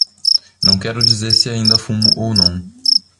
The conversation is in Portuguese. Não quero dizer se ainda fumo ou não.